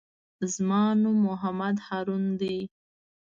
زما نوم محمد هارون دئ.